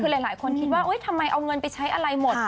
คือหลายคนคิดว่าทำไมเอาเงินไปใช้อะไรหมด